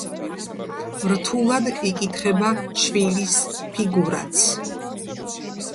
რთულად იკითხება ჩვილის ფიგურაც.